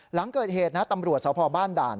หลังเกิดเหตุนะตำรวจสพบ้านด่าน